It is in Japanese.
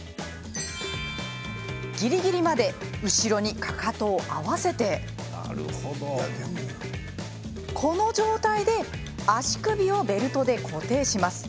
ぎりぎりまで後ろにかかとを合わせてこの状態で足首をベルトで固定します。